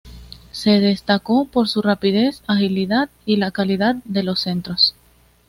Se destacó por su rapidez, agilidad y la calidad de los centros.